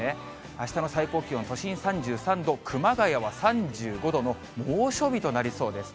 あしたの最高気温、都心３３度、熊谷は３５度の猛暑日となりそうです。